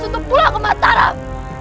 untuk pulang ke mataram